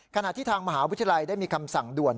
ขณะที่ทางมหาวิทยาลัยได้มีคำสั่งด่วน